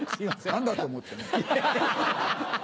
何だと思ってんだ。